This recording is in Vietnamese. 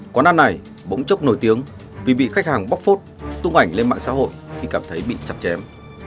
quán ăn này bỗng chốc nổi tiếng vì bị khách hàng bóc phốt tung ảnh lên mạng xã hội thì cảm thấy bị chặt chém